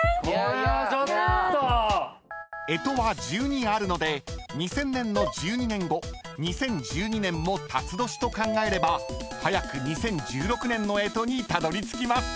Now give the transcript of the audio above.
［干支は１２あるので２０００年の１２年後２０１２年も辰年と考えれば早く２０１６年の干支にたどりつきます］